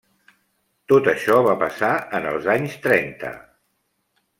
Tot això va passar en els anys trenta.